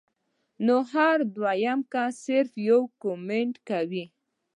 نو هر دويم کس صرف يو کمنټ کوي